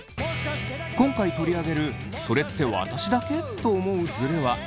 今回取り上げる「それって私だけ？」と思うズレは３つ。